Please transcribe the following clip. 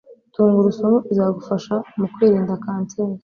Tungurusumu izagufasha mu kwirinda cancer